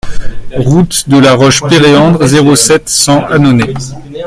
Route de la Roche Péréandre, zéro sept, cent Annonay